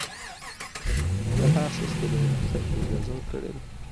فقهاء ښځو ته د علم زده کړې اجازه ورکړې ده.